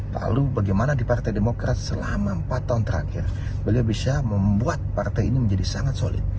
lalu bagaimana di partai demokrat selama empat tahun terakhir beliau bisa membuat partai ini menjadi sangat solid